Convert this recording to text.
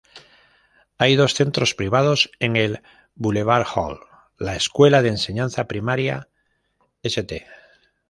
Hay dos centros privados en el Bulevar Holt: la Escuela de Enseñanza Primaria St.